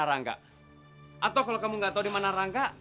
atau kalau kamu nggak tahu dimana rangga